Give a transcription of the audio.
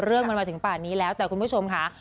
เรื่องมันมาถึงป่านนี้แล้วแต่คุณผู้ชมค่ะ